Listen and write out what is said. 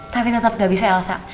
tapi tetap gak bisa elsa